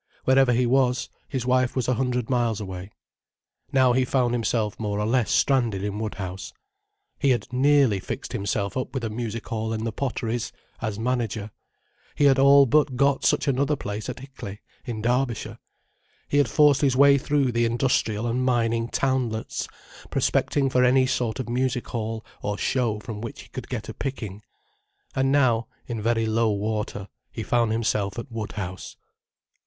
Wherever he was, his wife was a hundred miles away. Now he found himself more or less stranded in Woodhouse. He had nearly fixed himself up with a music hall in the Potteries—as manager: he had all but got such another place at Ickley, in Derbyshire: he had forced his way through the industrial and mining townlets, prospecting for any sort of music hall or show from which he could get a picking. And now, in very low water, he found himself at Woodhouse.